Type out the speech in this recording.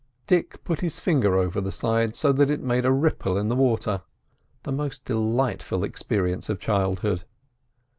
Dick put his finger over the side, so that it made a ripple in the water (the most delightful experience of childhood).